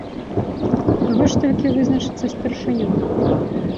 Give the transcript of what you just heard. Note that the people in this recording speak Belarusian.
Каго ж толькі вызначыць за старшыню?